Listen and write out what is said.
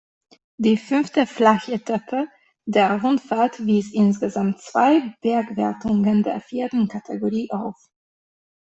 Die fünfte Flachetappe der Rundfahrt wies insgesamt zwei Bergwertungen der vierten Kategorie auf.